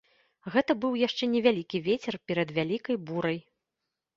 Гэта быў яшчэ невялікі вецер перад вялікай бурай.